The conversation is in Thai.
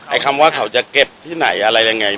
คำว่าเขาจะเก็บที่ไหนอะไรยังไง